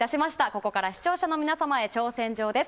ここから視聴者の皆様へ挑戦状です。